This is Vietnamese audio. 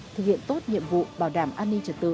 thực hiện tốt nhiệm vụ bảo đảm an ninh trật tự